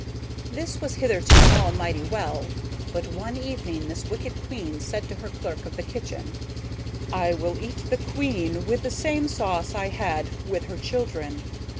This was hitherto all mighty well; but one evening this wicked Queen said to her clerk of the kitchen: "I will eat the Queen with the same sauce I had with her children."